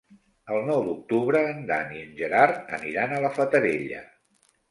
El nou d'octubre en Dan i en Gerard aniran a la Fatarella.